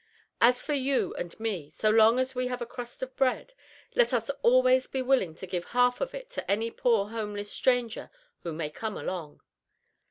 As for you and me, so long as we have a crust of bread, let us always be willing to give half of it to any poor homeless stranger who may come along."